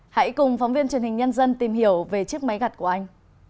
hãy cùng phóng viên truyền hình nhân dân tìm hiểu về chiếc máy gặt của anh